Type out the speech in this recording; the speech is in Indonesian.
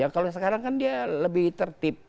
kalau sekarang kan dia lebih tertib